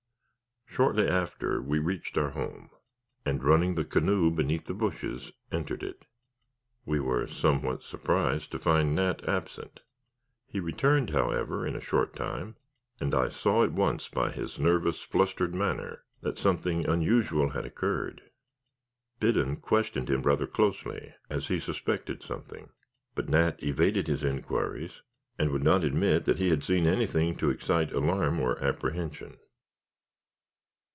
Shortly after we reached our home, and running the canoe beneath the bushes, entered it. We were somewhat surprised to find Nat absent. He returned, however, in a short time, and I saw at once by his nervous, flustered manner that something unusual had occurred. Biddon questioned him rather closely, as he suspected something, but Nat evaded his inquiries, and would not admit that he had seen anything to excite alarm or apprehension.